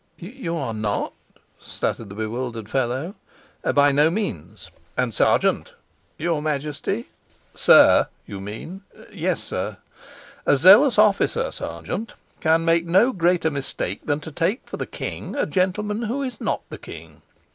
"You are not ?" stuttered the bewildered fellow. "By no means. And, sergeant ?" "Your Majesty?" "Sir, you mean." "Yes, sir." "A zealous officer, sergeant, can make no greater mistake than to take for the king a gentleman who is not the king.